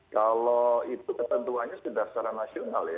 kalau itu ketentuannya sudah secara nasional ya